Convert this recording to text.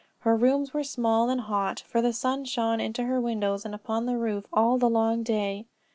Her rooms were small and hot, for the sun shone into her windows and upon the roof all the long day.